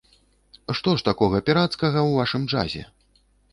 Што ж такога пірацкага ў вашым джазе?